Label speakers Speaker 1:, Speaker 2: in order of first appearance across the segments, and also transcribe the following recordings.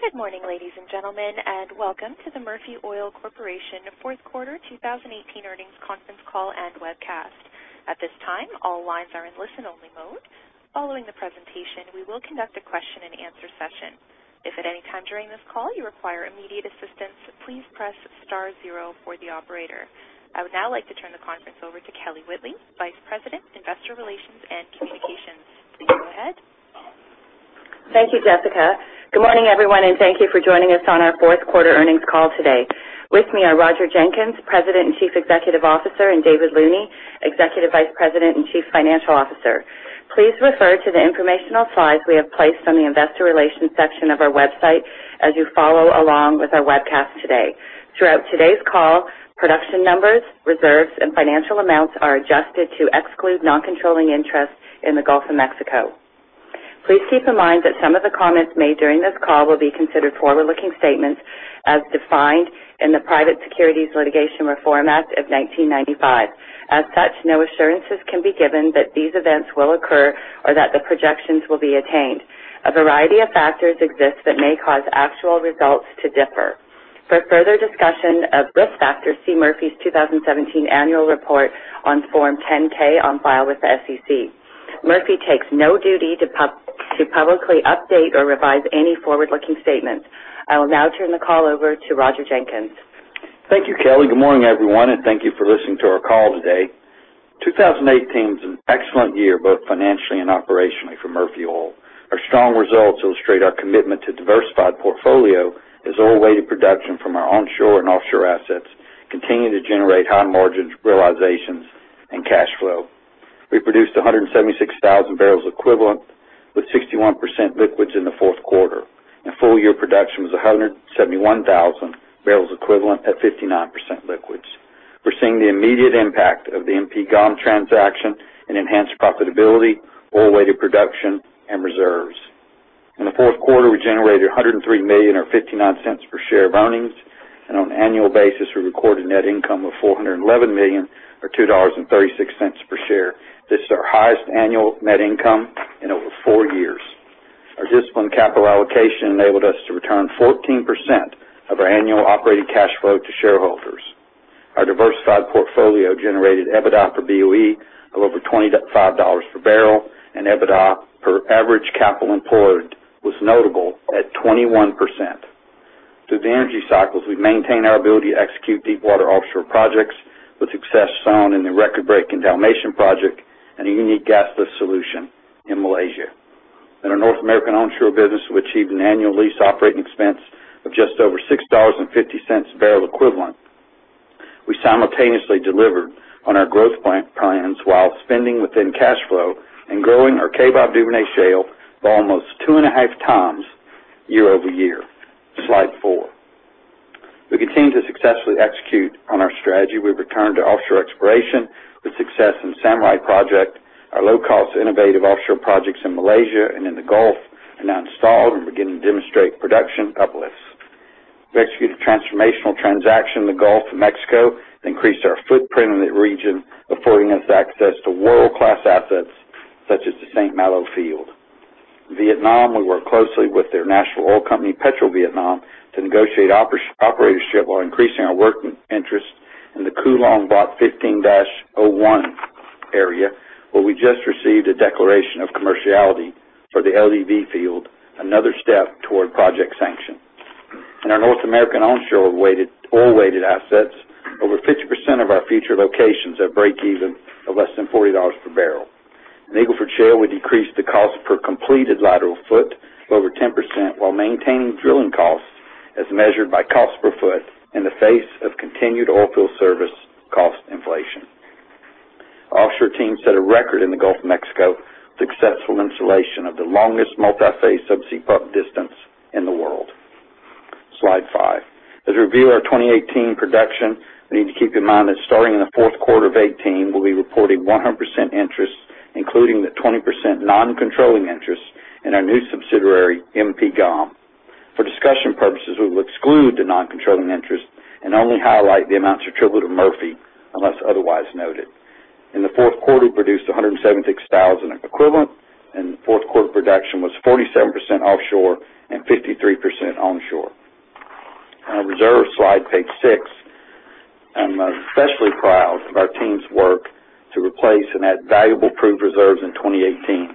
Speaker 1: Good morning, ladies and gentlemen, and welcome to the Murphy Oil Corporation Fourth Quarter 2018 Earnings Conference Call and Webcast. At this time, all lines are in listen-only mode. Following the presentation, we will conduct a question and answer session. If at any time during this call you require immediate assistance, please press star zero for the operator. I would now like to turn the conference over to Kelly Whitley, Vice President, Investor Relations and Communications. Please go ahead.
Speaker 2: Thank you, Jessica. Good morning, everyone, thank you for joining us on our fourth quarter earnings call today. With me are Roger Jenkins, President and Chief Executive Officer, and David Looney, Executive Vice President and Chief Financial Officer. Please refer to the informational slides we have placed on the investor relations section of our website as you follow along with our webcast today. Throughout today's call, production numbers, reserves, and financial amounts are adjusted to exclude non-controlling interests in the Gulf of Mexico. Please keep in mind that some of the comments made during this call will be considered forward-looking statements as defined in the Private Securities Litigation Reform Act of 1995. No assurances can be given that these events will occur or that the projections will be attained. A variety of factors exist that may cause actual results to differ. For further discussion of risk factors, see Murphy's 2017 annual report on Form 10-K on file with the SEC. Murphy takes no duty to publicly update or revise any forward-looking statements. I will now turn the call over to Roger Jenkins.
Speaker 3: Thank you, Kelly. Good morning, everyone, thank you for listening to our call today. 2018 was an excellent year, both financially and operationally for Murphy Oil. Our strong results illustrate our commitment to diversified portfolio as oil-weighted production from our onshore and offshore assets continue to generate high margin realizations and cash flow. We produced 176,000 barrels equivalent with 61% liquids in the fourth quarter, full-year production was 171,000 barrels equivalent at 59% liquids. We're seeing the immediate impact of the MP GOM transaction and enhanced profitability, oil-weighted production, and reserves. In the fourth quarter, we generated $103 million or $0.59 per share of earnings, on an annual basis, we recorded net income of $411 million or $2.36 per share. This is our highest annual net income in over four years. Our disciplined capital allocation enabled us to return 14% of our annual operating cash flow to shareholders. Our diversified portfolio generated EBITDA for BOE of over $25 per barrel. EBITDA per average capital employed was notable at 21%. Through the energy cycles, we've maintained our ability to execute deepwater offshore projects with success found in the record-breaking Dalmatian project and a unique gasless solution in Malaysia. In our North American onshore business, we achieved an annual lease operating expense of just over $6.50 a barrel equivalent. We simultaneously delivered on our growth plans while spending within cash flow and growing our Cave Hill Duvernay shale by almost two and a half times year-over-year. Slide four. We continue to successfully execute on our strategy. We returned to offshore exploration with success in Samurai project. Our low-cost innovative offshore projects in Malaysia and in the Gulf are now installed and beginning to demonstrate production uplifts. We executed a transformational transaction in the Gulf of Mexico, increased our footprint in the region, affording us access to world-class assets such as the St. Malo field. In Vietnam, we work closely with their national oil company, PetroVietnam, to negotiate operatorship while increasing our working interest in the Cuu Long Block 15-01 area, where we just received a declaration of commerciality for the LDV field, another step toward project sanction. In our North American onshore oil-weighted assets, over 50% of our future locations are break even at less than $40 per barrel. In Eagle Ford Shale, we decreased the cost per completed lateral foot over 10% while maintaining drilling costs as measured by cost per foot in the face of continued oilfield service cost inflation. Our offshore team set a record in the Gulf of Mexico with successful installation of the longest multi-phase subsea pump distance in the world. Slide five. As we review our 2018 production, we need to keep in mind that starting in the fourth quarter of 2018, we'll be reporting 100% interest, including the 20% non-controlling interest in our new subsidiary, MP GOM. For discussion purposes, we will exclude the non-controlling interest and only highlight the amounts attributable to Murphy, unless otherwise noted. In the fourth quarter, we produced 176,000 equivalent, and fourth quarter production was 47% offshore and 53% onshore. On our reserve slide, page six, I'm especially proud of our team's work to replace and add valuable proved reserves in 2018.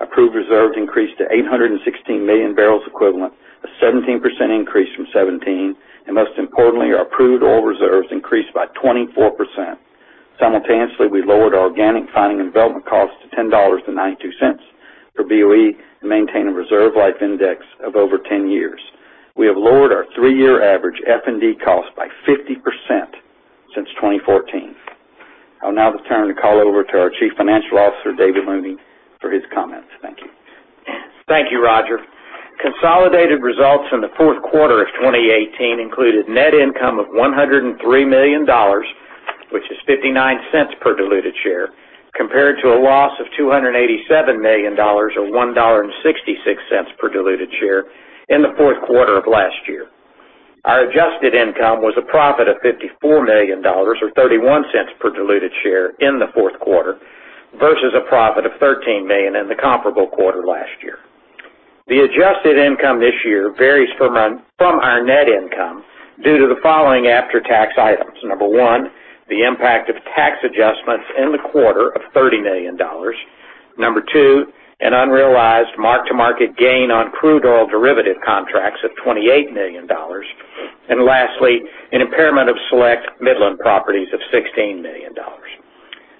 Speaker 3: Our proved reserves increased to 816 million barrels equivalent, a 17% increase from 2017, and most importantly, our proved oil reserves increased by 24%. Simultaneously, we lowered our organic finding and development costs to $10.92 per BOE and maintained a reserve life index of over 10 years. We have lowered our three-year average F&D cost by 50% since 2014. I will now turn the call over to our Chief Financial Officer, David Looney, for his comments. Thank you.
Speaker 4: Thank you, Roger. Consolidated results from the fourth quarter of 2018 included net income of $103 million, which is $0.59 per diluted share, compared to a loss of $287 million or $1.66 per diluted share in the fourth quarter of last year. Our adjusted income was a profit of $54 million, or $0.31 per diluted share in the fourth quarter, versus a profit of $13 million in the comparable quarter last year. The adjusted income this year varies from our net income due to the following after-tax items. Number 1, the impact of tax adjustments in the quarter of $30 million. Number 2, an unrealized mark-to-market gain on crude oil derivative contracts of $28 million. Lastly, an impairment of select Midland properties of $16 million.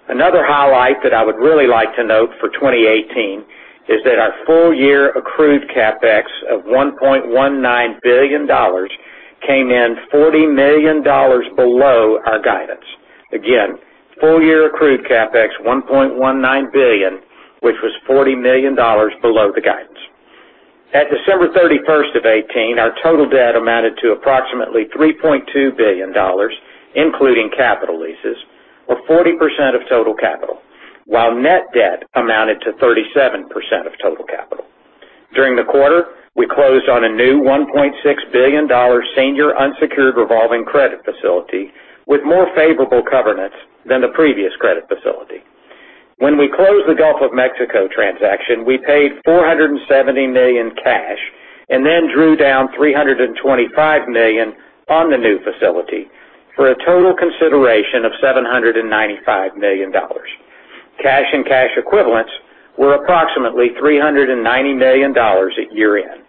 Speaker 4: Another highlight that I would really like to note for 2018 is that our full year accrued CapEx of $1.19 billion came in $40 million below our guidance. Again, full year accrued CapEx $1.19 billion, which was $40 million below the guidance. At December 31st of 2018, our total debt amounted to approximately $3.2 billion, including capital leases, or 40% of total capital, while net debt amounted to 37% of total capital. During the quarter, we closed on a new $1.6 billion senior unsecured revolving credit facility with more favorable covenants than the previous credit facility. When we closed the Gulf of Mexico transaction, we paid $470 million cash drew down $325 million on the new facility for a total consideration of $795 million. Cash and cash equivalents were approximately $390 million at year-end.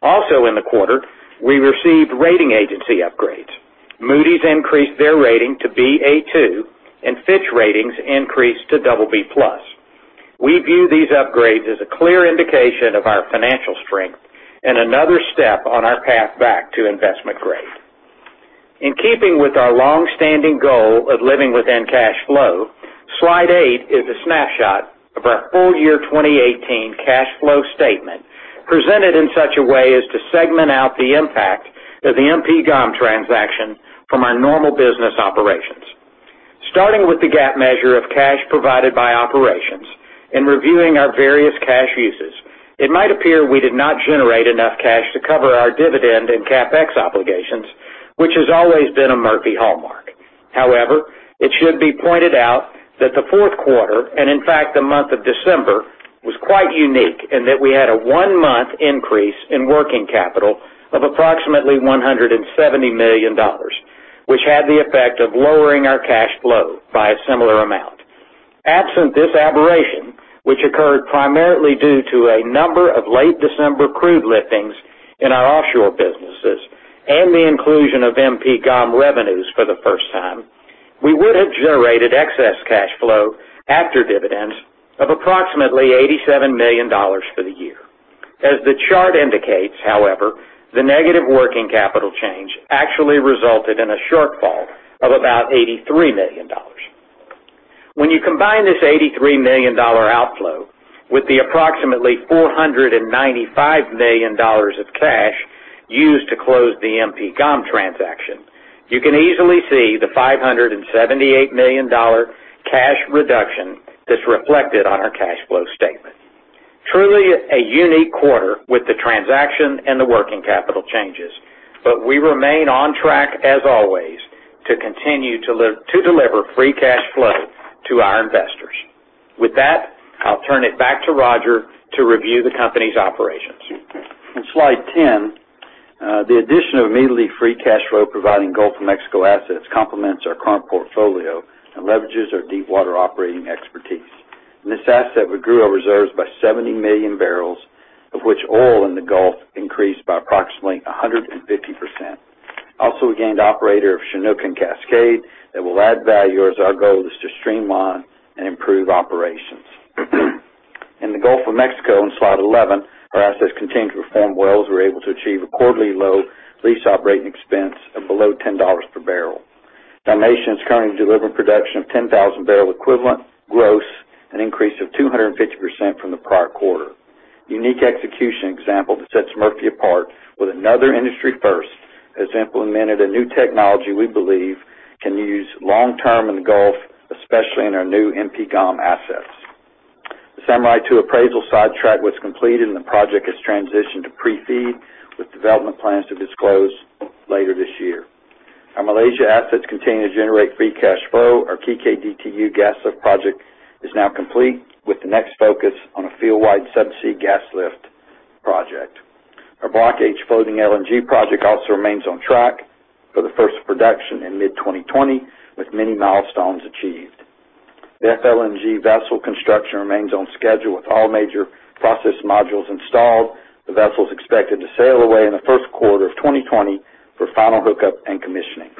Speaker 4: In the quarter, we received rating agency upgrades. Moody's increased their rating to Ba2, and Fitch Ratings increased to BB+. We view these upgrades as a clear indication of our financial strength and another step on our path back to investment grade. In keeping with our longstanding goal of living within cash flow, slide 8 is a snapshot of our full year 2018 cash flow statement, presented in such a way as to segment out the impact of the MP GOM transaction from our normal business operations. Starting with the GAAP measure of cash provided by operations and reviewing our various cash uses, it might appear we did not generate enough cash to cover our dividend and CapEx obligations, which has always been a Murphy hallmark. However, it should be pointed out that the fourth quarter, and in fact, the month of December, was quite unique in that we had a one-month increase in working capital of approximately $170 million, which had the effect of lowering our cash flow by a similar amount. Absent this aberration, which occurred primarily due to a number of late December crude liftings in our offshore businesses and the inclusion of MP GOM revenues for the first time, we would have generated excess cash flow after dividends of approximately $87 million for the year. As the chart indicates, however, the negative working capital change actually resulted in a shortfall of about $83 million. When you combine this $83 million outflow with the approximately $495 million of cash used to close the MP GOM transaction, you can easily see the $578 million cash reduction that's reflected on our cash flow statement. Truly a unique quarter with the transaction and the working capital changes. We remain on track as always to continue to deliver free cash flow to our investors. With that, I'll turn it back to Roger to review the company's operations.
Speaker 3: On slide 10, the addition of immediately free cash flow providing Gulf of Mexico assets complements our current portfolio and leverages our deepwater operating expertise. In this asset, we grew our reserves by 70 million barrels, of which oil in the Gulf increased by approximately 150%. Also, we gained operator of Chinook and Cascade that will add value as our goal is to streamline and improve operations. In the Gulf of Mexico, on slide 11, our assets continued to perform wells. We were able to achieve a quarterly low lease operating expense of below $10 per barrel. Dalmatian is currently delivering production of 10,000 barrel equivalent gross, an increase of 250% from the prior quarter. Unique execution example that sets Murphy apart with another industry first, has implemented a new technology we believe can be used long-term in the Gulf, especially in our new MP GOM assets. The Samurai-2 appraisal sidetrack was completed, and the project has transitioned to pre-FEED, with development plans to disclose later this year. Our Malaysia assets continue to generate free cash flow. Our Kikeh gas lift project is now complete, with the next focus on a field wide subsea gas lift project. Our Block H floating LNG project also remains on track for the first production in mid 2020, with many milestones achieved. The FLNG vessel construction remains on schedule, with all major process modules installed. The vessel's expected to sail away in the first quarter of 2020 for final hookup and commissioning.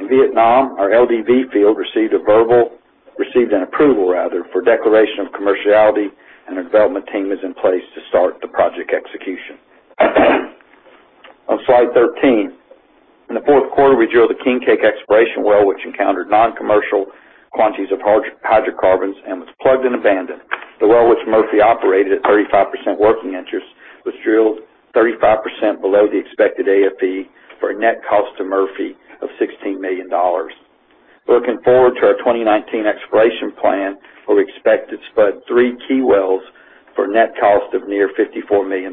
Speaker 3: In Vietnam, our LDV field received an approval for declaration of commerciality, and a development team is in place to start the project execution. On slide 13. In the fourth quarter, we drilled the King Cake exploration well, which encountered non-commercial quantities of hydrocarbons and was plugged and abandoned. The well, which Murphy operated at 35% working interest, was drilled 35% below the expected AFE for a net cost to Murphy of $16 million. Looking forward to our 2019 exploration plan, where we expect to spud three key wells for net cost of near $54 million.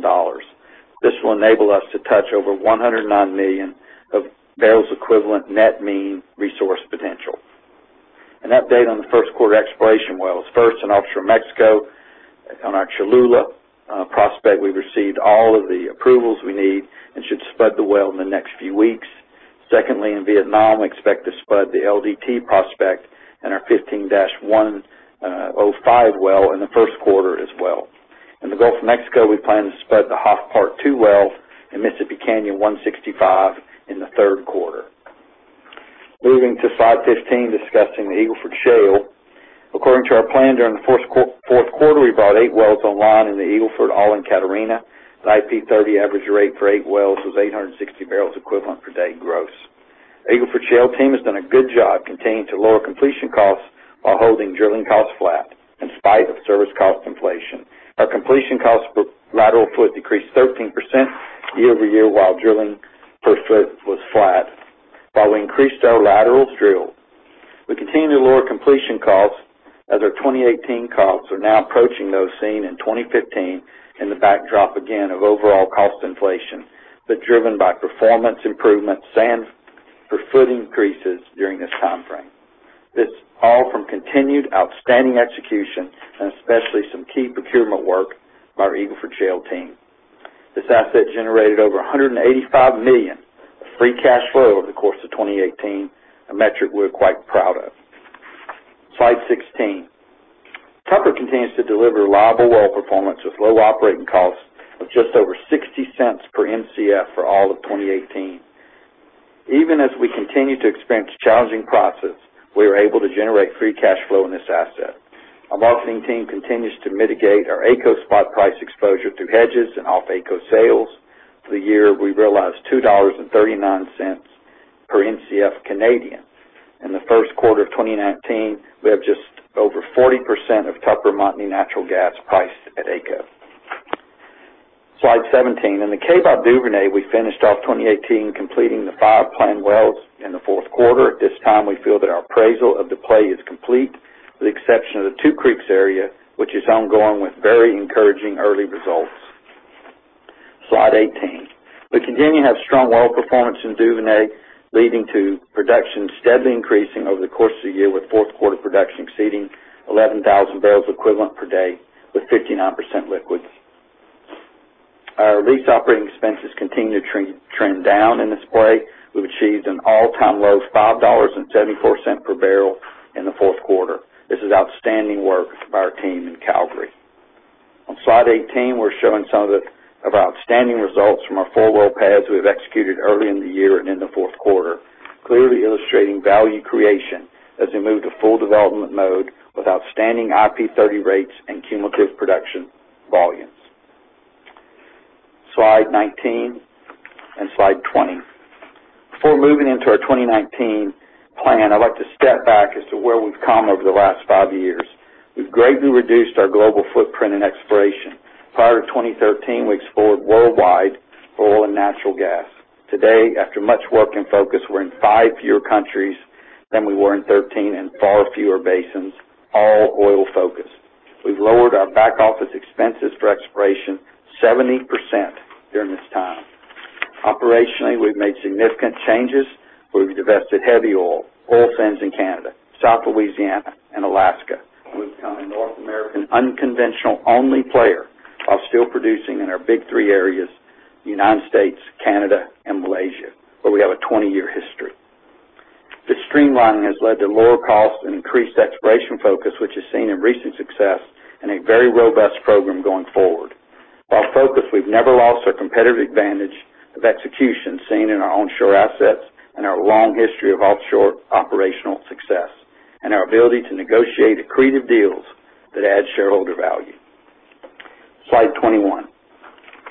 Speaker 3: This will enable us to touch over 109 million of barrels equivalent net mean resource potential. An update on the first quarter exploration wells. First, in Offshore Mexico, on our Cholula prospect, we've received all of the approvals we need and should spud the well in the next few weeks. Secondly, in Vietnam, we expect to spud the LDT prospect and our 15-105 well in the first quarter as well. In the Gulf of Mexico, we plan to spud the Hoffe Park 2 well in Mississippi Canyon 165 in the third quarter. Moving to slide 15, discussing the Eagle Ford Shale. According to our plan during the fourth quarter, we brought eight wells online in the Eagle Ford, all in Catarina. The IP30 average rate for eight wells was 860 barrels equivalent per day gross. Eagle Ford Shale team has done a good job continuing to lower completion costs while holding drilling costs flat in spite of service cost inflation. Our completion costs per lateral foot decreased 13% year-over-year, while drilling per foot was flat while we increased our laterals drilled. We continue to lower completion costs, as our 2018 costs are now approaching those seen in 2015 in the backdrop again of overall cost inflation, but driven by performance improvements and per foot increases during this timeframe. This all from continued outstanding execution, and especially some key procurement work by our Eagle Ford Shale team. This asset generated over $185 million of free cash flow over the course of 2018, a metric we're quite proud of. Slide 16. Tupper continues to deliver reliable well performance with low operating costs of just over $0.60 per Mcf for all of 2018. Even as we continue to experience challenging prices, we were able to generate free cash flow in this asset. Our marketing team continues to mitigate our AECO spot price exposure through hedges and off-AECO sales. For the year, we realized 2.39 dollars per Mcf. In the first quarter of 2019, we have just over 40% of Tupper Montney natural gas priced at AECO. Slide 17. In the Kaybob Duvernay, we finished off 2018 completing the five planned wells in the fourth quarter. At this time, we feel that our appraisal of the play is complete with the exception of the Two Creeks area, which is ongoing with very encouraging early results. Slide 18. We continue to have strong well performance in Duvernay, leading to production steadily increasing over the course of the year with fourth quarter production exceeding 11,000 barrels equivalent per day with 59% liquids. Our lease operating expenses continue to trend down in this play. We've achieved an all-time low of $5.74 per barrel in the fourth quarter. This is outstanding work of our team in Calgary. On Slide 18, we're showing some of our outstanding results from our full well pads we have executed early in the year and in the fourth quarter, clearly illustrating value creation as we move to full development mode with outstanding IP30 rates and cumulative production volumes. Slide 19 and Slide 20. Before moving into our 2019 plan, I'd like to step back as to where we've come over the last five years. We've greatly reduced our global footprint and exploration. Prior to 2013, we explored worldwide for oil and natural gas. Today, after much work and focus, we're in five fewer countries than we were in 2013 and far fewer basins, all oil-focused. We've lowered our back office expenses for exploration 70% during this time. Operationally, we've made significant changes. We've divested heavy oil sands in Canada, South Louisiana, and Alaska. We've become a North American unconventional only player while still producing in our big three areas, the U.S., Canada, and Malaysia, where we have a 20-year history. This streamlining has led to lower costs and increased exploration focus, which is seen in recent success and a very robust program going forward. While focused, we've never lost our competitive advantage of execution seen in our onshore assets and our long history of offshore operational success and our ability to negotiate accretive deals that add shareholder value. Slide 21.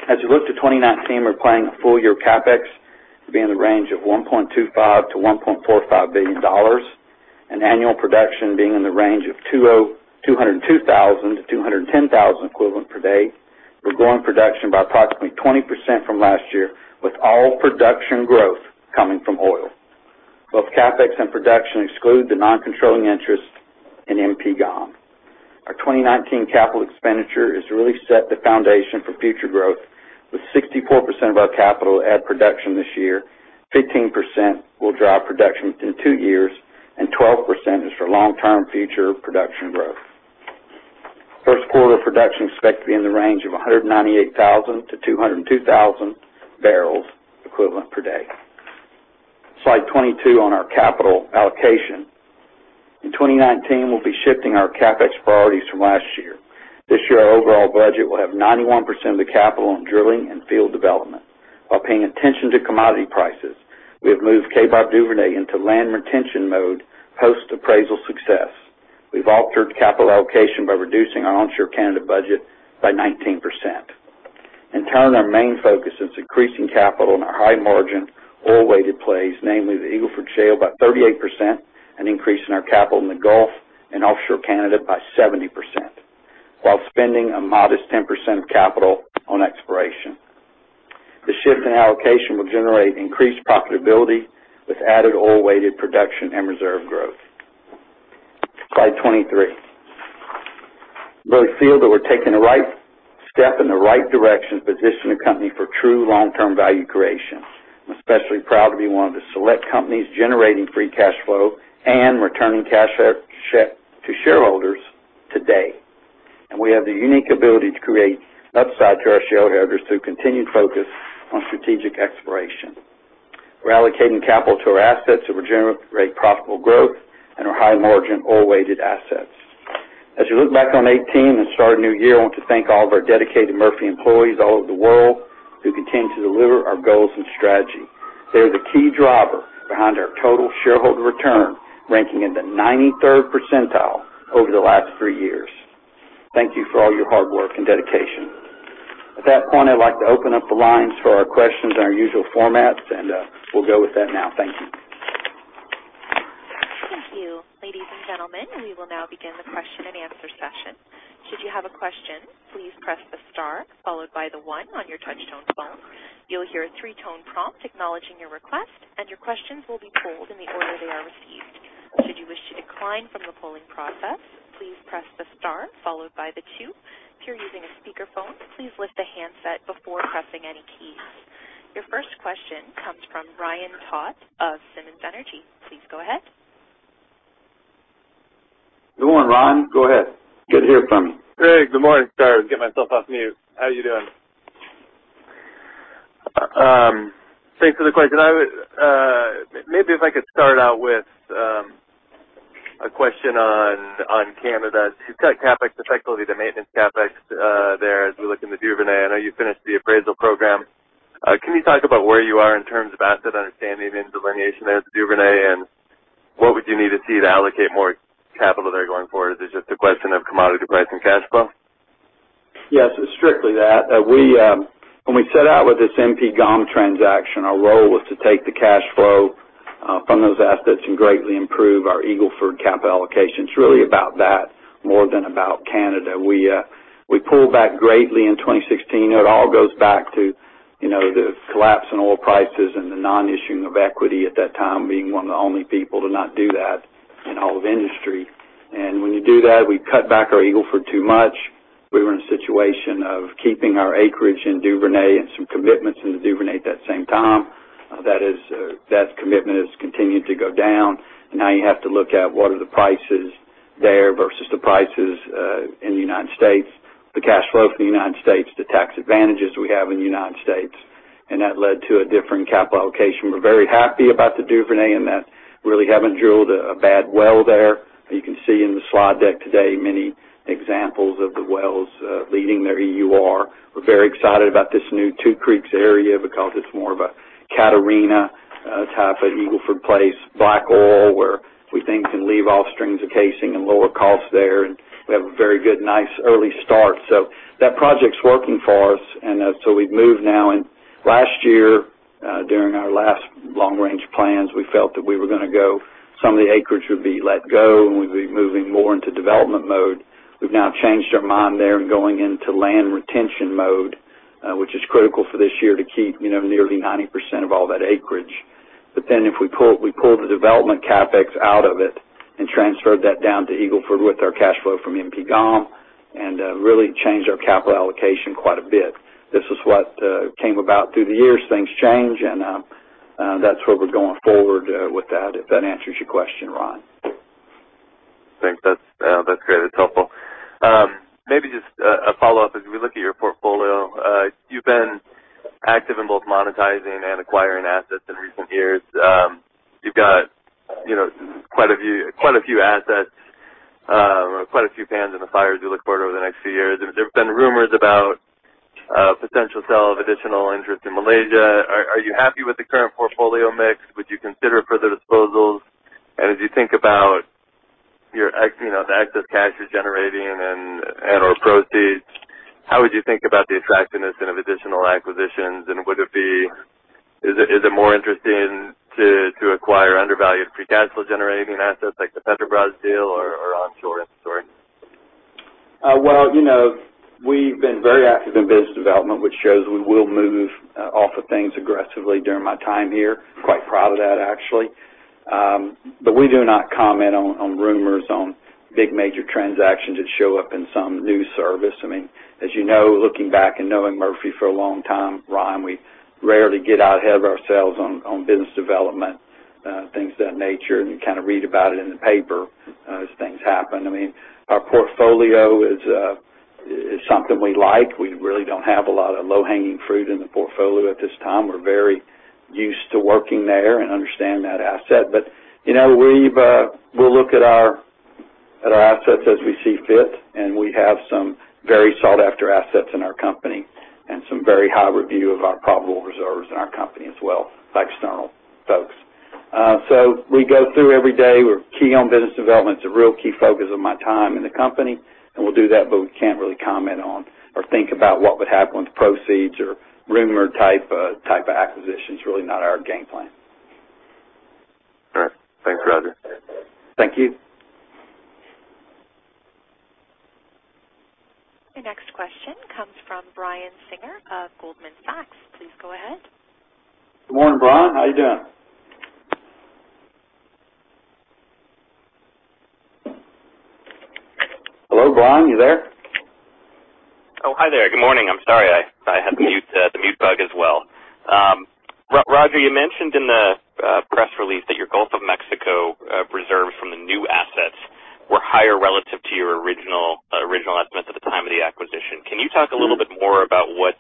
Speaker 3: As we look to 2019, we're planning a full year CapEx to be in the range of $1.25 billion-$1.45 billion, and annual production being in the range of 202,000 to 210,000 equivalent per day. We're growing production by approximately 20% from last year, with all production growth coming from oil. Both CapEx and production exclude the non-controlling interest in MP GOM. Our 2019 capital expenditure is to really set the foundation for future growth with 64% of our capital at production this year, 15% will drive production within two years, and 12% is for long-term future production growth. First quarter production is expected to be in the range of 198,000 to 202,000 barrels equivalent per day. Slide 22 on our capital allocation. In 2019, we'll be shifting our CapEx priorities from last year. This year, our overall budget will have 91% of the capital on drilling and field development while paying attention to commodity prices. We have moved Kaybob Duvernay into land retention mode post appraisal success. We've altered capital allocation by reducing our onshore Canada budget by 19%. In turn, our main focus is increasing capital in our high margin oil-weighted plays, namely the Eagle Ford Shale by 38%, and increasing our capital in the Gulf and offshore Canada by 70%, while spending a modest 10% of capital on exploration will generate increased profitability with added oil-weighted production and reserve growth. Slide 23. I really feel that we're taking the right step in the right direction to position the company for true long-term value creation. I'm especially proud to be one of the select companies generating free cash flow and returning cash flow to shareholders today. We have the unique ability to create upside to our shareholders through continued focus on strategic exploration. We're allocating capital to our assets that will generate profitable growth and our high margin oil-weighted assets. As you look back on 2018 and start a new year, I want to thank all of our dedicated Murphy employees all over the world who continue to deliver our goals and strategy. They are the key driver behind our total shareholder return, ranking in the 93rd percentile over the last three years. Thank you for all your hard work and dedication. At that point, I'd like to open up the lines for our questions in our usual formats, and we'll go with that now. Thank you.
Speaker 1: Thank you. Ladies and gentlemen, we will now begin the question and answer session. Should you have a question, please press the star followed by the one on your touch-tone phone. You will hear a three-tone prompt acknowledging your request, and your questions will be polled in the order they are received. Should you wish to decline from the polling process, please press the star followed by the two. If you are using a speakerphone, please lift the handset before pressing any keys. Your first question comes from Ryan Todd of Simmons Energy. Please go ahead.
Speaker 3: Good morning, Ryan. Go ahead. Good to hear from you.
Speaker 5: Great. Good morning. Sorry, I was getting myself off mute. How are you doing? Thanks for the question. Maybe if I could start out with a question on Canada. You have CapEx, effectively the maintenance CapEx there as we look in the Duvernay. I know you finished the appraisal program. Can you talk about where you are in terms of asset understanding and delineation there at the Duvernay? What would you need to see to allocate more capital there going forward? Is it just a question of commodity price and cash flow?
Speaker 3: Yes, it is strictly that. When we set out with this MP GOM transaction, our role was to take the cash flow from those assets and greatly improve our Eagle Ford capital allocation. It is really about that more than about Canada. We pulled back greatly in 2016. It all goes back to the collapse in oil prices and the non-issuing of equity at that time, being one of the only people to not do that in all of industry. When you do that, we cut back our Eagle Ford too much. We were in a situation of keeping our acreage in Duvernay and some commitments in the Duvernay at that same time. That commitment has continued to go down. Now you have to look at what are the prices there versus the prices in the U.S., the cash flow from the U.S., the tax advantages we have in the U.S., and that led to a different capital allocation. We're very happy about the Duvernay in that really haven't drilled a bad well there. You can see in the slide deck today many examples of the wells leading their EUR. We're very excited about this new Two Creeks area because it's more of a Catarina type of Eagle Ford place, black oil, where we think can leave off strings of casing and lower costs there. We have a very good, nice early start. That project's working for us. We've moved now. Last year, during our last long-range plans, we felt that we were going to go, some of the acreage would be let go, and we'd be moving more into development mode. We've now changed our mind there and going into land retention mode, which is critical for this year to keep nearly 90% of all that acreage. If we pull the development CapEx out of it and transfer that down to Eagle Ford with our cash flow from MP GOM and really change our capital allocation quite a bit. This is what came about through the years. Things change, and that's where we're going forward with that, if that answers your question, Ron.
Speaker 5: Think that's great. That's helpful. Maybe just a follow-up. As we look at your portfolio, you've been active in both monetizing and acquiring assets in recent years. You've got quite a few assets, or quite a few pans in the fire as you look forward over the next few years. There have been rumors about a potential sale of additional interest in Malaysia. Are you happy with the current portfolio mix? Would you consider further disposals? As you think about the excess cash you're generating and/or proceeds, how would you think about the attractiveness of additional acquisitions, and is it more interesting to acquire undervalued free cash flow generating assets like the Petrobras deal or onshore in this story?
Speaker 3: We've been very active in business development, which shows we will move off of things aggressively during my time here. Quite proud of that, actually. We do not comment on rumors on big, major transactions that show up in some news service. As you know, looking back and knowing Murphy for a long time, Ron, we rarely get out ahead of ourselves on business development, things of that nature. You read about it in the paper as things happen. Our portfolio is something we like. We really don't have a lot of low-hanging fruit in the portfolio at this time. We're very used to working there and understand that asset. We'll look at our assets as we see fit, and we have some very sought-after assets in our company and some very high review of our probable reserves in our company as well by external folks. We go through every day. We're key on business development. It's a real key focus of my time in the company, and we'll do that, but we can't really comment on or think about what would happen with the proceeds or rumor type of acquisitions. Really not our game plan.
Speaker 5: All right. Thanks, Roger.
Speaker 3: Thank you.
Speaker 1: Your next question comes from Brian Singer of Goldman Sachs. Please go ahead.
Speaker 3: Good morning, Brian. How you doing? Hello, Brian, you there?
Speaker 6: Oh, hi there. Good morning. I'm sorry. I had the mute bug as well. Roger, you mentioned in the press release that your Gulf of Mexico reserves from the new assets were higher relative to your original estimates at the time of the acquisition. Can you talk a little bit more about what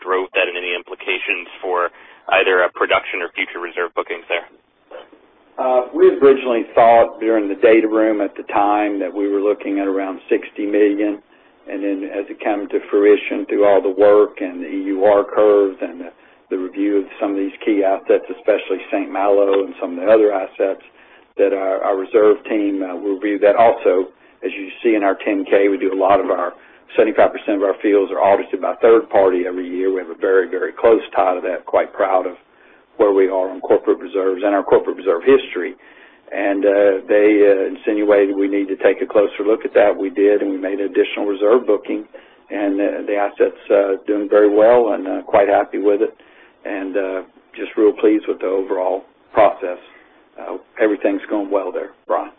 Speaker 6: drove that and any implications for either a production or future reserve bookings there?
Speaker 3: We originally thought during the data room at the time that we were looking at around $60 million. As it came to fruition through all the work and the EUR curves and the review of some of these key assets, especially St. Malo and some of the other assets, our reserve team will review that also. As you see in our 10-K, 75% of our fields are audited by a third party every year. We have a very close tie to that, quite proud of where we are on corporate reserves and our corporate reserve history. They insinuated we need to take a closer look at that. We did. We made an additional reserve booking. The asset's doing very well. Quite happy with it. Just real pleased with the overall process. Everything's going well there, Brian.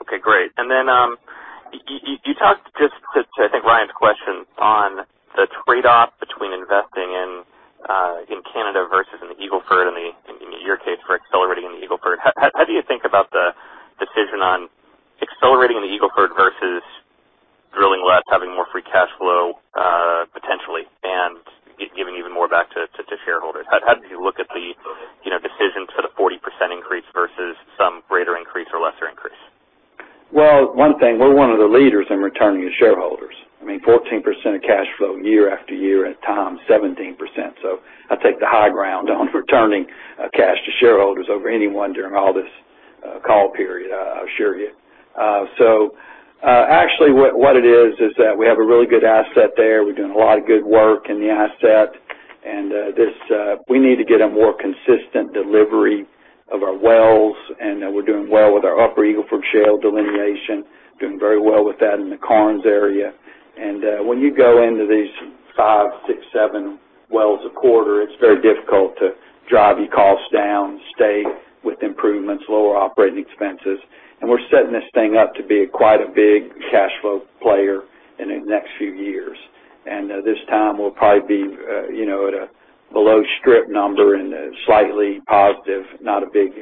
Speaker 6: Okay, great. You talked just to, I think, Ryan's question on the trade-off between investing in Canada versus in the Eagle Ford and in your case, for accelerating the Eagle Ford. How do you think about the decision on accelerating the Eagle Ford versus drilling less, having more free cash flow, potentially, and giving even more back to shareholders? How did you look at the decision to the 40% increase versus some greater increase or lesser increase?
Speaker 3: Well, one thing, we're one of the leaders in returning to shareholders. 14% of cash flow year after year. At times, 17%. I take the high ground on returning cash to shareholders over anyone during all this call period, I'll assure you. Actually, what it is that we have a really good asset there. We've done a lot of good work in the asset. We need to get a more consistent delivery of our wells, and we're doing well with our Upper Eagle Ford Shale delineation, doing very well with that in the Karnes area. When you go into these five, six, seven wells a quarter, it's very difficult to drive your costs down, stay with improvements, lower operating expenses. We're setting this thing up to be quite a big cash flow player in the next few years. This time we'll probably be at a below strip number and slightly positive, not a big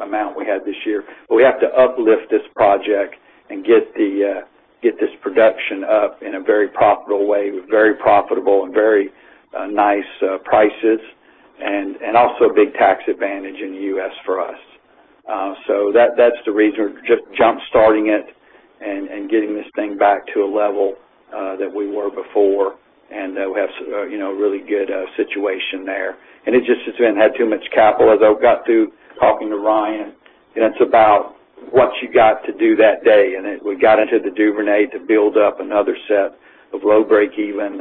Speaker 3: amount we had this year. We have to uplift this project and get this production up in a very profitable way, with very profitable and very nice prices and also a big tax advantage in the U.S. for us. That's the reason we're just jump-starting it and getting this thing back to a level that we were before, and we have a really good situation there. It just had too much capital. As I got through talking to Ryan, it's about what you got to do that day, and we got into the Duvernay to build up another set of low breakeven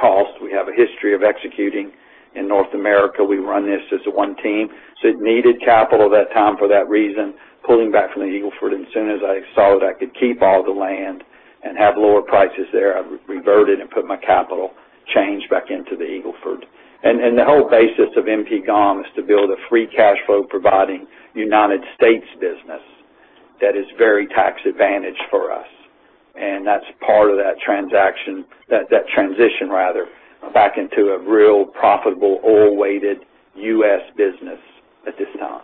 Speaker 3: costs. We have a history of executing in North America. We run this as one team. It needed capital that time for that reason, pulling back from the Eagle Ford. As soon as I saw that I could keep all the land and have lower prices there, I reverted and put my capital change back into the Eagle Ford. The whole basis of MP GOM is to build a free cash flow providing United States business that is very tax advantaged for us, and that's part of that transition back into a real profitable oil-weighted U.S. business at this time.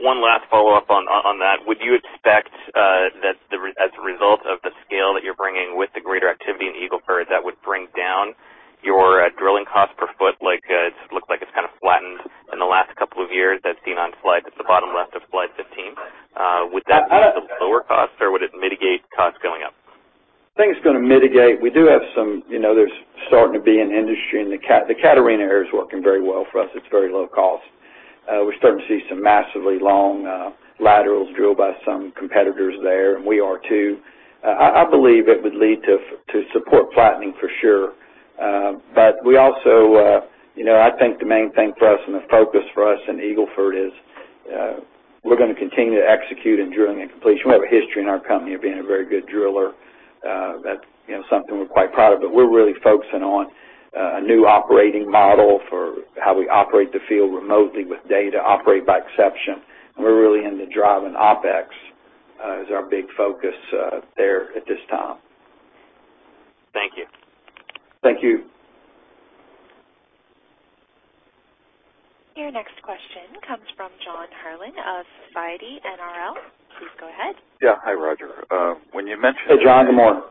Speaker 6: One last follow-up on that. Would you expect that as a result of the scale that you're bringing with the greater activity in the Eagle Ford, that would bring down your drilling cost per foot? It looks like it's flattened in the last couple of years as seen on slide, it's the bottom left of slide 15. Would that mean lower costs, or would it mitigate costs going up?
Speaker 3: I think it's going to mitigate. There's starting to be an industry, and the Catarina area is working very well for us. It's very low cost. We're starting to see some massively long laterals drilled by some competitors there, and we are too. I believe it would lead to support flattening for sure. I think the main thing for us and the focus for us in Eagle Ford is we're going to continue to execute in drilling and completion. We have a history in our company of being a very good driller. That's something we're quite proud of. We're really focusing on a new operating model for how we operate the field remotely with data, operate by exception. We're really into driving OpEx is our big focus there at this time.
Speaker 6: Thank you.
Speaker 3: Thank you.
Speaker 1: Your next question comes from John Herrlin of Société Générale. Please go ahead.
Speaker 7: Yeah. Hi, Roger. When you mentioned-
Speaker 3: Hey, John. Good morning.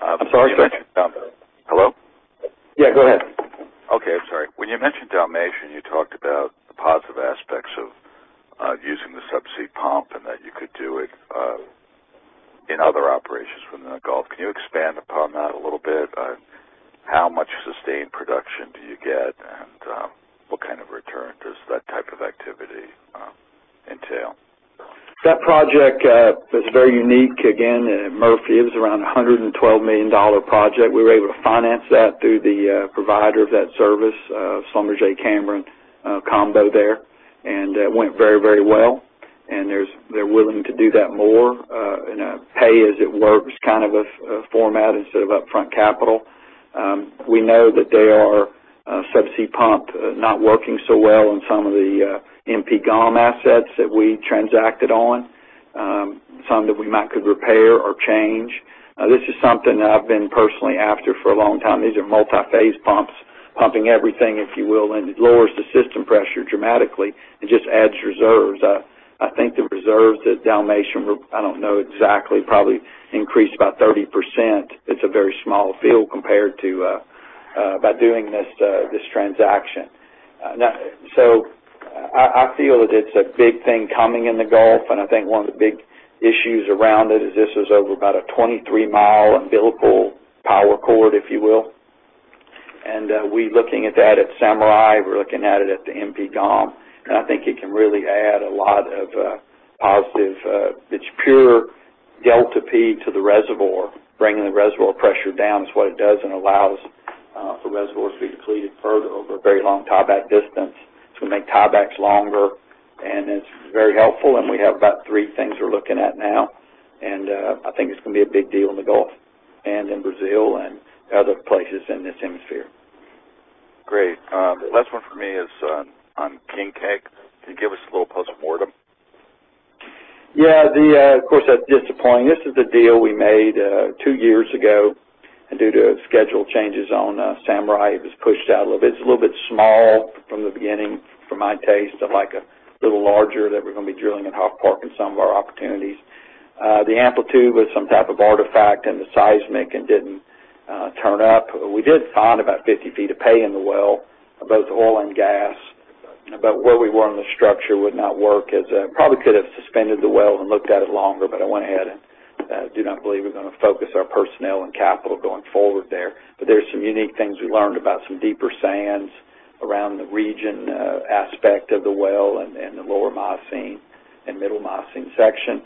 Speaker 3: I'm sorry.
Speaker 7: Hello?
Speaker 3: Yeah, go ahead.
Speaker 7: Okay. Sorry. When you mentioned Dalmatian, you talked about the positive aspects of using the subsea pump and that you could do it in other operations within the Gulf. Can you expand upon that a little bit? How much sustained production do you get, and what kind of return does that type of activity entail?
Speaker 3: That project is very unique. Again, Murphy, it was around $112 million project. We were able to finance that through the provider of that service, Schlumberger and Cameron combo there. It went very, very well. They're willing to do that more in a pay-as-it-works kind of a format instead of upfront capital. We know that there are subsea pump not working so well on some of the MP GOM assets that we transacted on. Some that we might could repair or change. This is something that I've been personally after for a long time. These are multi-phase pumps, pumping everything, if you will, and it lowers the system pressure dramatically and just adds reserves. I think the reserves at Dalmatian, I don't know exactly, probably increased by 30%. It's a very small field compared to by doing this transaction. I feel that it's a big thing coming in the Gulf, and I think one of the big issues around it is this is over about a 23-mile umbilical power cord, if you will. We're looking at that at Samurai. We're looking at it at the MP GOM, and I think it can really add a lot of positive. It's pure delta P to the reservoir. Bringing the reservoir pressure down is what it does and allows for reservoirs to be depleted further over a very long tieback distance. It's going to make tiebacks longer, and it's very helpful, and we have about three things we're looking at now. I think it's going to be a big deal in the Gulf and in Brazil and other places in this hemisphere.
Speaker 7: Great. Last one for me is on King Cake. Can you give us a little postmortem?
Speaker 3: Yeah. Of course, that's disappointing. This is the deal we made two years ago. Due to schedule changes on Samurai, it was pushed out a little bit. It's a little bit small from the beginning for my taste. I like a little larger that we're going to be drilling in Hawkpark and some of our opportunities. The amplitude was some type of artifact in the seismic and didn't turn up. We did find about 50 feet of pay in the well, both oil and gas. Where we were in the structure would not work. Probably could have suspended the well and looked at it longer, but I went ahead and do not believe we're going to focus our personnel and capital going forward there. There is some unique things we learned about some deeper sands around the region aspect of the well and the Lower Miocene and Middle Miocene section.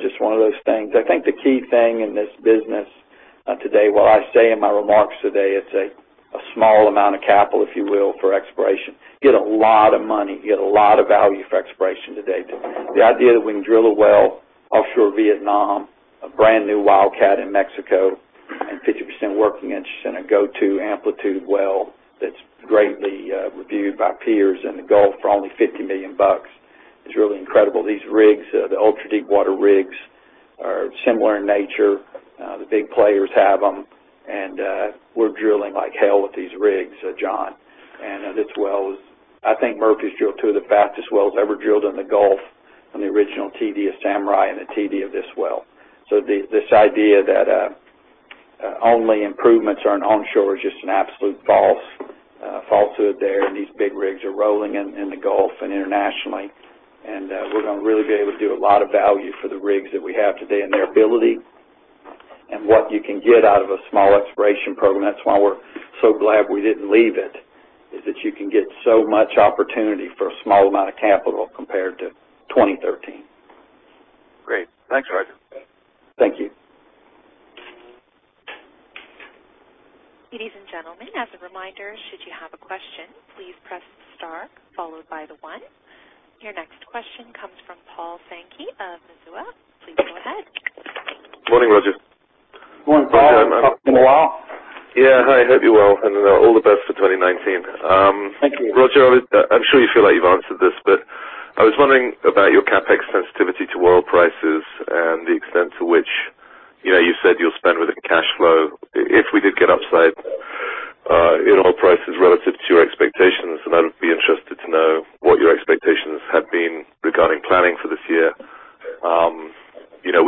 Speaker 3: Just one of those things. I think the key thing in this business today, what I say in my remarks today, it is a small amount of capital, if you will, for exploration. Get a lot of money, get a lot of value for exploration today. The idea that we can drill a well offshore Vietnam, a brand new wildcat in Mexico, and 50% working interest in a go-to amplitude well that is greatly reviewed by peers in the Gulf for only $50 million is really incredible. These rigs, the ultra-deepwater rigs, are similar in nature. The big players have them, and we are drilling like hell with these rigs, John. This well is, I think Murphy's drilled two of the fastest wells ever drilled in the Gulf on the original TD of Samurai and the TD of this well. This idea that only improvements are in onshore is just an absolute falsehood there, and these big rigs are rolling in the Gulf and internationally. We are going to really be able to do a lot of value for the rigs that we have today and their ability and what you can get out of a small exploration program. That is why we are so glad we did not leave it, is that you can get so much opportunity for a small amount of capital compared to 2013.
Speaker 7: Great. Thanks, Roger.
Speaker 3: Thank you.
Speaker 1: Ladies and gentlemen, as a reminder, should you have a question, please press star followed by the one. Your next question comes from Paul Sankey of Mizuho. Please go ahead.
Speaker 8: Morning, Roger.
Speaker 3: Morning, Paul. Haven't talked in a while.
Speaker 8: Yeah. Hi, hope you're well, and all the best for 2019.
Speaker 3: Thank you.
Speaker 8: Roger, I'm sure you feel like you've answered this, but I was wondering about your CapEx sensitivity to oil prices and the extent to which, you said you'll spend within cash flow if we did get upside in oil prices relative to your expectations. I would be interested to know what your expectations have been regarding planning for this year.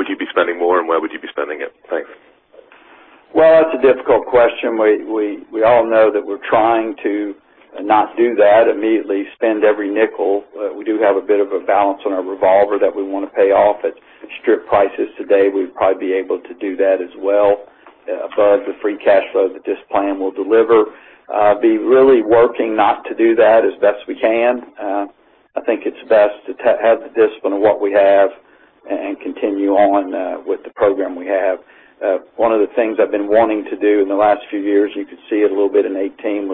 Speaker 8: Would you be spending more, and where would you be spending it? Thanks.
Speaker 3: Well, that's a difficult question. We all know that we're trying to not do that immediately, spend every nickel. We do have a bit of a balance on our revolver that we want to pay off. At strip prices today, we'd probably be able to do that as well above the free cash flow that this plan will deliver. Be really working not to do that as best we can. I think it's best to have the discipline of what we have and continue on with the program we have. One of the things I've been wanting to do in the last few years, you could see it a little bit in 2018,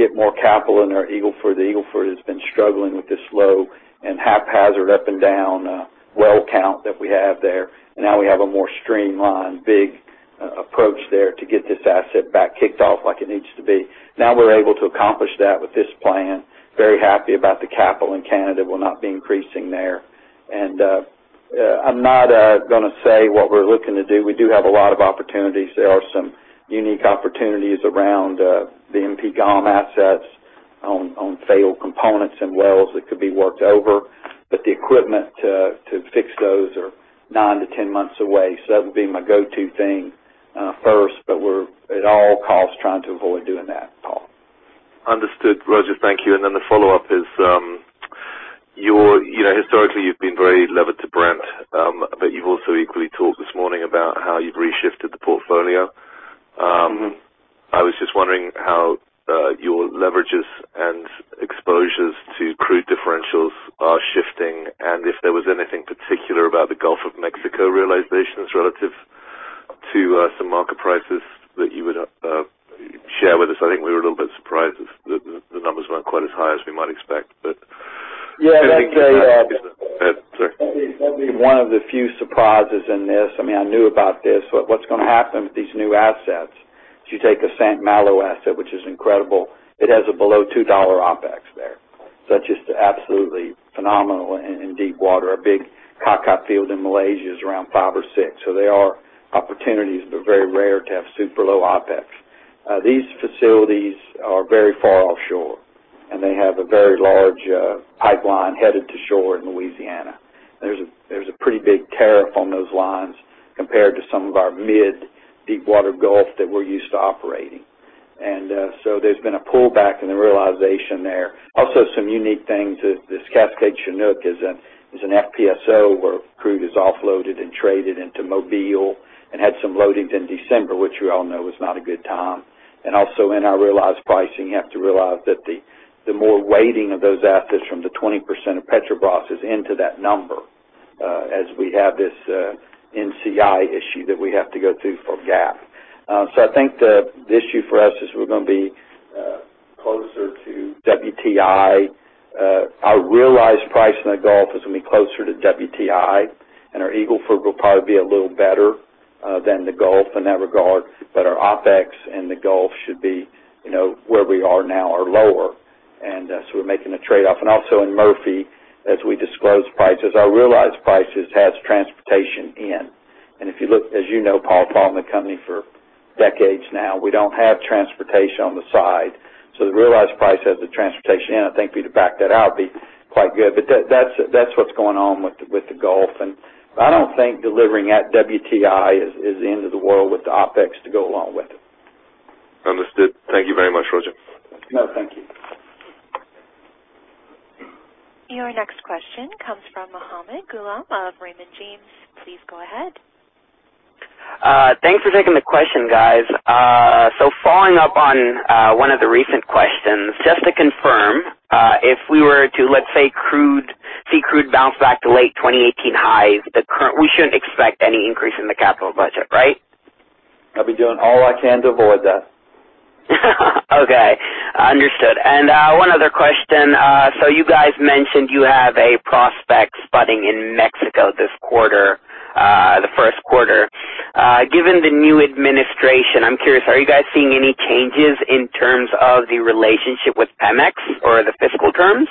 Speaker 3: was get more capital into our Eagle Ford. The Eagle Ford has been struggling with this low and haphazard up and down well count that we have there. Now we have a more streamlined, big approach there to get this asset back kicked off like it needs to be. Now we're able to accomplish that with this plan. Very happy about the capital in Canada. We'll not be increasing there. I'm not going to say what we're looking to do. We do have a lot of opportunities. There are some unique opportunities around the MP GOM assets on failed components and wells that could be worked over. The equipment to fix those are 9-10 months away. That would be my go-to thing first, but we're at all costs trying to avoid doing that, Paul.
Speaker 8: Understood, Roger. Thank you. The follow-up is, historically, you've been very levered to Brent. You've also equally talked this morning about how you've reshifted the portfolio. I was just wondering how your leverages and exposures to crude differentials are shifting and if there was anything particular about the Gulf of Mexico realizations relative to some market prices that you would share with us. I think we were a little bit surprised the numbers weren't quite as high as we might expect.
Speaker 3: Yeah.
Speaker 8: Sorry.
Speaker 3: That'd be one of the few surprises in this. I mean, I knew about this, what's going to happen with these new assets, you take a St. Malo asset, which is incredible. It has a below $2 OPEX there, that's just absolutely phenomenal in deep water. A big Kakap field in Malaysia is around $5 or $6. They are opportunities, very rare to have super low OPEX. These facilities are very far offshore, and they have a very large pipeline headed to shore in Louisiana. There's a pretty big tariff on those lines compared to some of our mid deepwater Gulf that we're used to operating. There's been a pullback in the realization there. Some unique things, this Cascade Chinook is an FPSO where crude is offloaded and traded into Mobile and had some loadings in December, which we all know is not a good time. Also in our realized pricing, you have to realize that the more weighting of those assets from the 20% of Petrobras is into that number, as we have this NCI issue that we have to go through for GAAP. I think the issue for us is we're going to be closer to WTI. Our realized price in the Gulf is going to be closer to WTI, and our Eagle Ford will probably be a little better than the Gulf in that regard. Our OPEX in the Gulf should be where we are now or lower. We're making a trade-off. Also in Murphy, as we disclose prices, our realized prices has transportation in. If you look, as you know, Paul, in the company for decades now, we don't have transportation on the side. The realized price has the transportation in. I think for you to back that out, be quite good. That's what's going on with the Gulf. I don't think delivering at WTI is the end of the world with the OPEX to go along with it.
Speaker 8: Understood. Thank you very much, Roger.
Speaker 3: No, thank you.
Speaker 1: Your next question comes from Muhammed Ghulam of Raymond James. Please go ahead.
Speaker 9: Thanks for taking the question, guys. Following up on one of the recent questions, just to confirm, if we were to, let's say, see crude bounce back to late 2018 highs, we shouldn't expect any increase in the capital budget, right?
Speaker 3: I'll be doing all I can to avoid that.
Speaker 9: Okay. Understood. One other question. You guys mentioned you have a prospect spudding in Mexico this quarter, the first quarter. Given the new administration, I'm curious, are you guys seeing any changes in terms of the relationship with Pemex or the fiscal terms?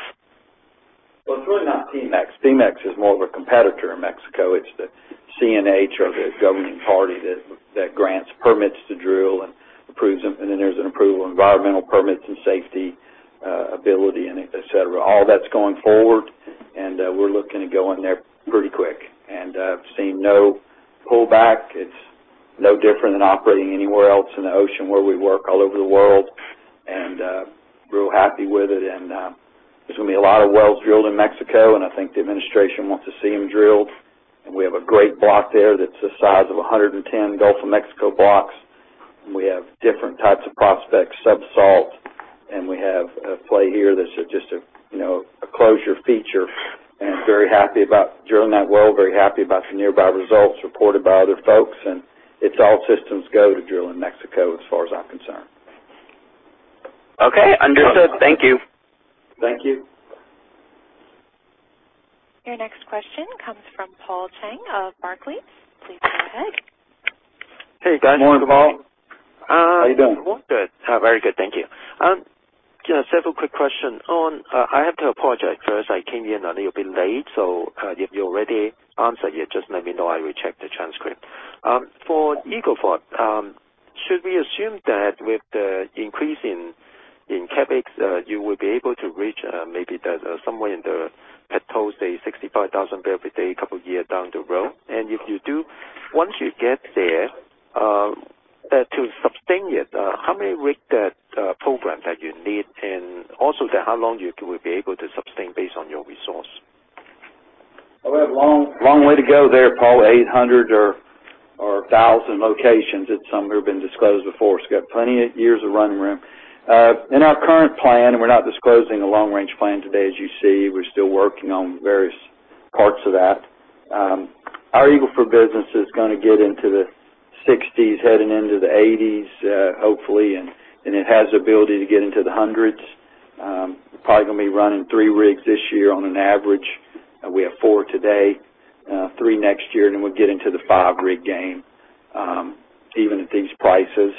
Speaker 3: Well, it's really not Pemex. Pemex is more of a competitor in Mexico. It's the CNH or the governing party that grants permits to drill and approves them, and then there's an approval of environmental permits and safety ability, et cetera. All that's going forward, and we're looking to go in there pretty quick. I've seen no pullback. It's no different than operating anywhere else in the ocean where we work all over the world, and real happy with it. There's going to be a lot of wells drilled in Mexico, and I think the administration wants to see them drilled. We have a great block there that's the size of 110 Gulf of Mexico blocks, and we have different types of prospects, subsalt, and we have a play here that's just a closure feature, and very happy about drilling that well, very happy about the nearby results reported by other folks, and it's all systems go to drill in Mexico as far as I'm concerned.
Speaker 9: Okay. Understood. Thank you.
Speaker 3: Thank you.
Speaker 1: Your next question comes from Paul Cheng of Barclays. Please go ahead.
Speaker 10: Hey, guys.
Speaker 3: Morning, Paul. How you doing?
Speaker 10: Good. Very good, thank you. Just several quick question on I have to apologize first. I came in a little bit late, so if you already answered, just let me know. I will check the transcript. For Eagle Ford, should we assume that with the increase in CapEx, you will be able to reach maybe somewhere in the, Pat told, say, 65,000 barrel per day a couple year down the road? If you do, once you get there, to sustain it, how many rig program that you need, and also how long you will be able to sustain based on your resource?
Speaker 3: We have a long way to go there, Paul. 800 or 1,000 locations. It's somewhere been disclosed before, so we got plenty of years of running room. Our current plan, we're not disclosing a long-range plan today. As you see, we're still working on various parts of that. Our Eagle Ford business is going to get into the 60s, heading into the 80s, hopefully, and it has the ability to get into the 100s. Probably going to be running three rigs this year on an average. We have four today, three next year, then we'll get into the five-rig game, even at these prices.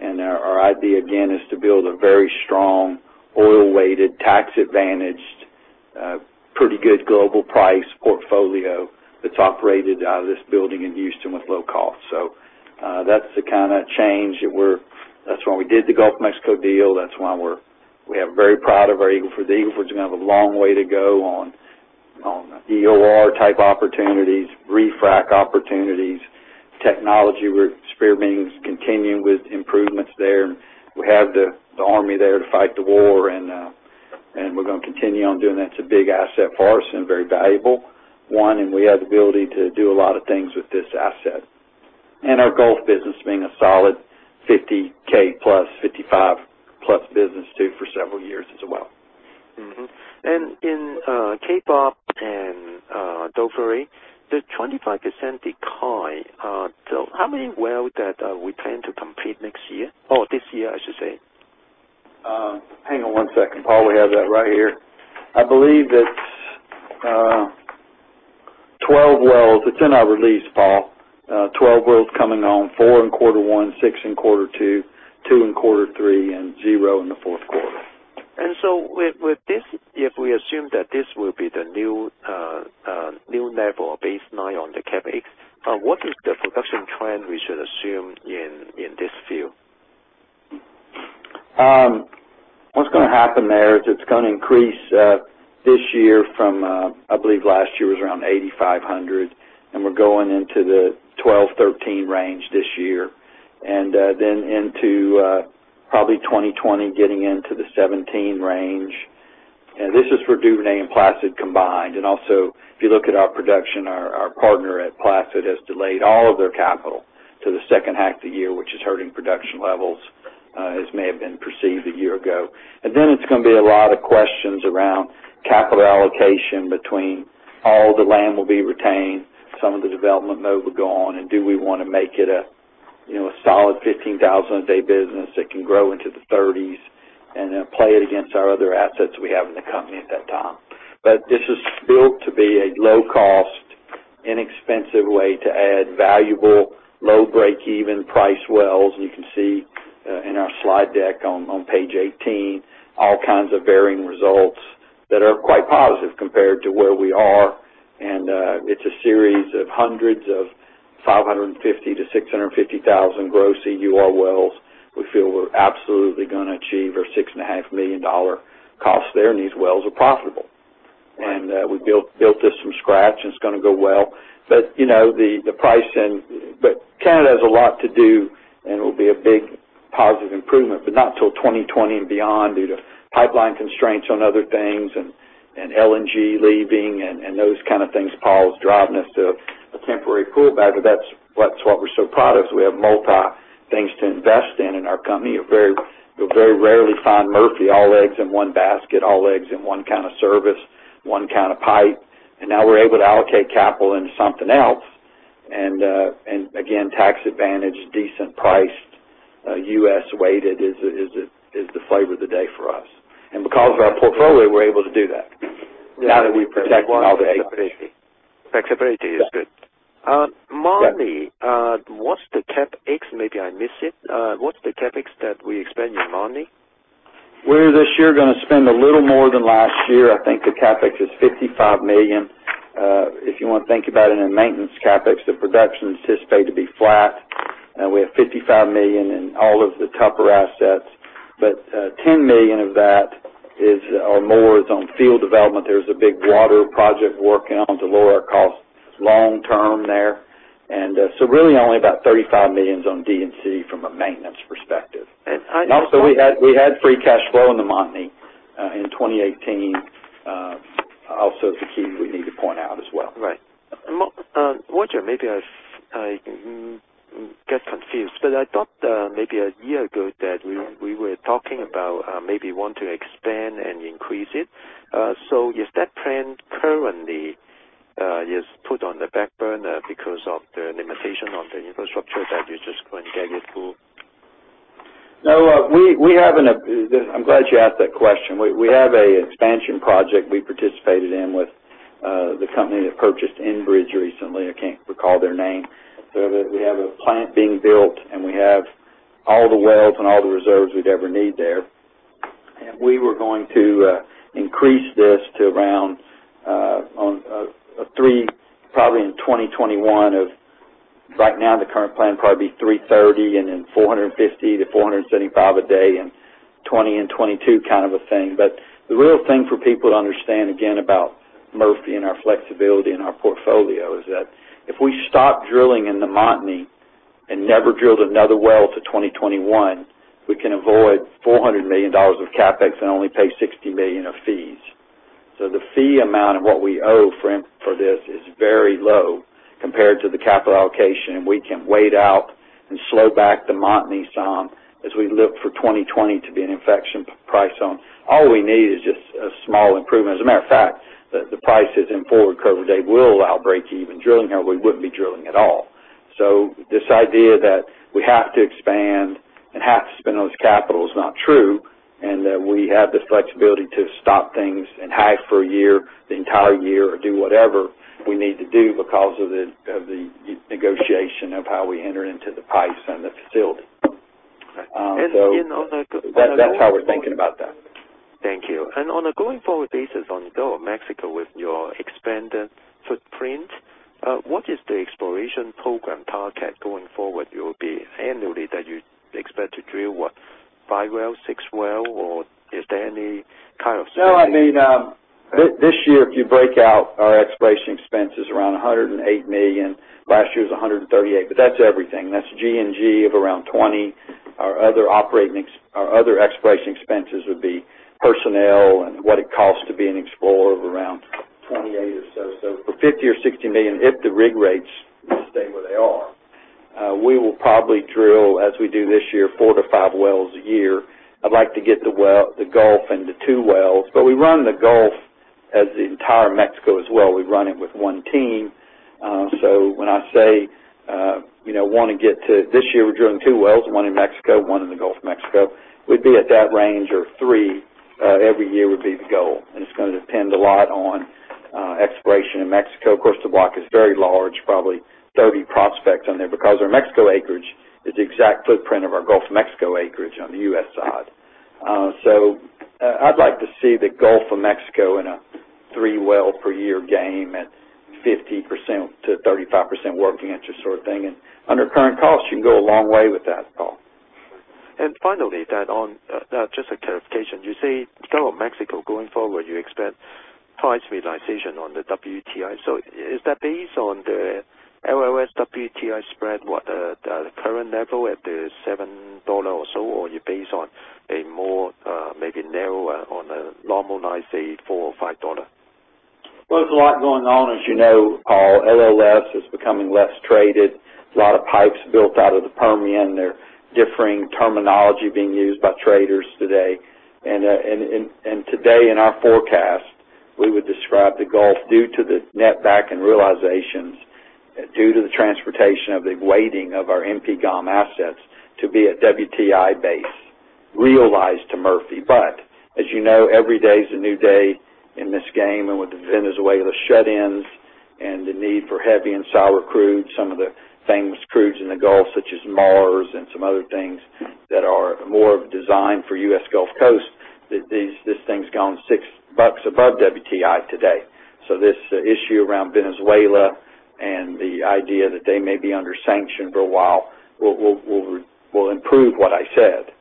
Speaker 3: Our idea, again, is to build a very strong oil-weighted, tax-advantaged, pretty good global price portfolio that's operated out of this building in Houston with low cost. That's the kind of change. That's why we did the Gulf of Mexico deal. That's why we have very proud of our Eagle Ford. The Eagle Ford's going to have a long way to go on EOR-type opportunities, refrac opportunities, technology. We're spearheading continuing with improvements there. We have the army there to fight the war. We're going to continue on doing that. It's a big asset for us and a very valuable one. We have the ability to do a lot of things with this asset. Our Gulf business being a solid 50K plus. That's business too for several years as well.
Speaker 10: In Kakap and Duvernay, the 25% decline. How many wells that we plan to complete next year? Or this year, I should say.
Speaker 3: Hang on one second, Paul. We have that right here. I believe it's 12 wells. It's in our release, Paul. 12 wells coming on, four in quarter one, six in quarter two, two in quarter three, and zero in the fourth quarter.
Speaker 10: With this, if we assume that this will be the new level of baseline on the CapEx, what is the production trend we should assume in this field?
Speaker 3: What's going to happen there is it's going to increase this year from, I believe last year was around 8,500, and we're going into the 12,000-13,000 range this year. Then into probably 2020 getting into the 17,000 range. This is for Duvernay and Placid combined. Also, if you look at our production, our partner at Placid has delayed all of their capital to the second half of the year, which is hurting production levels as may have been perceived a year ago. Then it's going to be a lot of questions around capital allocation between all the land will be retained, some of the development mode will go on, and do we want to make it a solid 15,000 a day business that can grow into the 30,000s, and then play it against our other assets we have in the company at that time. This is built to be a low cost, inexpensive way to add valuable low breakeven price wells. You can see in our slide deck on page 18, all kinds of varying results that are quite positive compared to where we are. It's a series of hundreds of 550,000-650,000 gross EUR wells. We feel we're absolutely going to achieve our $6.5 million cost there, and these wells are profitable.
Speaker 10: Right.
Speaker 3: We built this from scratch, and it's going to go well. Canada has a lot to do, and it'll be a big positive improvement, but not till 2020 and beyond due to pipeline constraints on other things, and LNG leaving, and those kind of things, Paul, is driving us to a temporary pullback, but that's what we're so proud of, is we have multi things to invest in in our company. You'll very rarely find Murphy all eggs in one basket, all eggs in one kind of service, one kind of pipe. Now we're able to allocate capital into something else. Again, tax advantage, decent priced, U.S. weighted is the flavor of the day for us. Because of our portfolio, we're able to do that now that we've protected all the eggs.
Speaker 10: Flexibility is good.
Speaker 3: Yeah.
Speaker 10: Montney, what's the CapEx? Maybe I miss it. What's the CapEx that we expend in Montney?
Speaker 3: We're this year gonna spend a little more than last year. I think the CapEx is $55 million. If you want to think about it in a maintenance CapEx, the production's anticipated to be flat. We have $55 million in all of the Tupper assets, but $10 million of that, or more, is on field development. There's a big water project working on to lower our cost long term there. Really only about $35 million's on D and C from a maintenance perspective.
Speaker 10: I know-
Speaker 3: We had free cash flow in the Montney in 2018. The key we need to point out as well.
Speaker 10: Right. Roger, maybe I get confused, but I thought maybe a year ago that we were talking about maybe want to expand and increase it. Is that plan currently is put on the back burner because of the limitation on the infrastructure that you're just going to get it through?
Speaker 3: No. I'm glad you asked that question. We have an expansion project we participated in with the company that purchased Enbridge recently. I can't recall their name. We have a plant being built, and we have all the wells and all the reserves we'd ever need there. We were going to increase this to around, probably in 2021, of right now the current plan would probably be 330 and then 450-475 a day in 2020 and 2022 kind of a thing. The real thing for people to understand, again, about Murphy and our flexibility and our portfolio is that if we stop drilling in the Montney and never drilled another well to 2021, we can avoid $400 million of CapEx and only pay $60 million of fees. The fee amount of what we owe for this is very low compared to the capital allocation, and we can wait out and slow back the Montney some as we look for 2020 to be an infection price on. All we need is just a small improvement. As a matter of fact, the prices in forward cover date will allow breakeven. Drilling there, we wouldn't be drilling at all. This idea that we have to expand and have to spend those capital is not true, and that we have the flexibility to stop things and hike for a year, the entire year, or do whatever we need to do because of the negotiation of how we enter into the pipes and the facility.
Speaker 10: Right. on a going forward.
Speaker 3: That's how we're thinking about that.
Speaker 10: Thank you. On a going forward basis on Gulf of Mexico with your expanded footprint, what is the exploration program target going forward you'll be annually that you expect to drill, what, five wells, six wells, or is there any kind of.
Speaker 3: No, this year, if you break out our exploration expenses around $108 million. Last year was $138. That's G&G of around $20. Our other exploration expenses would be personnel and what it costs to be an explorer of around $28 or so. For $50 million or $60 million, if the rig rates stay where they are. We will probably drill, as we do this year, four to five wells a year. I'd like to get the Gulf into two wells, we run the Gulf as the entire Mexico as well. We run it with one team. When I say, want to get to this year, we're drilling two wells, one in Mexico, one in the Gulf of Mexico. We'd be at that range of three every year would be the goal. It's going to depend a lot on exploration in Mexico. Of course, the block is very large, probably 30 prospects on there, because our Mexico acreage is the exact footprint of our Gulf of Mexico acreage on the U.S. side. I'd like to see the Gulf of Mexico in a three-well-per-year game at 15%-35% working interest sort of thing. Under current costs, you can go a long way with that, Paul.
Speaker 10: Finally, just a clarification. You say Gulf of Mexico, going forward, you expect price realization on the WTI. Is that based on the LLS WTI spread, the current level at the $7 or so, or are you based on a more maybe narrower on a normalized, say, four or $5?
Speaker 3: Well, there's a lot going on. As you know, LLS is becoming less traded. A lot of pipes built out of the Permian. There are differing terminology being used by traders today. Today in our forecast, we would describe the Gulf due to the net back and realizations, due to the transportation of the weighting of our MP GOM assets to be a WTI base, realized to Murphy. As you know, every day is a new day in this game. With the Venezuela shut-ins and the need for heavy and sour crude, some of the famous crudes in the Gulf, such as Mars and some other things that are more designed for U.S. Gulf Coast, this thing's gone six bucks above WTI today. This issue around Venezuela and the idea that they may be under sanction for a while will improve what I said.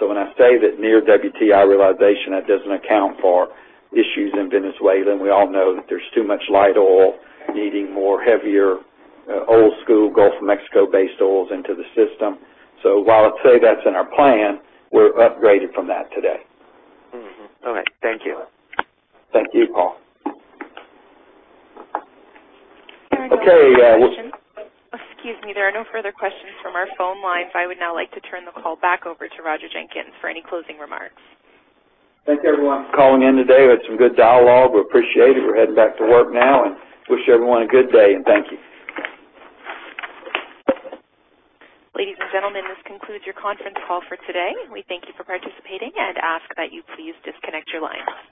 Speaker 3: When I say that near WTI realization, that doesn't account for issues in Venezuela. We all know that there's too much light oil needing more heavier, old school Gulf of Mexico-based oils into the system. While I'd say that's in our plan, we're upgraded from that today.
Speaker 10: Okay. Thank you.
Speaker 3: Thank you, Paul.
Speaker 1: There are no further questions.
Speaker 3: Okay.
Speaker 1: Excuse me. There are no further questions from our phone lines. I would now like to turn the call back over to Roger Jenkins for any closing remarks.
Speaker 3: Thanks, everyone, for calling in today. We had some good dialogue. We appreciate it. We're heading back to work now. Wish everyone a good day. Thank you.
Speaker 1: Ladies and gentlemen, this concludes your conference call for today. We thank you for participating. Ask that you please disconnect your lines.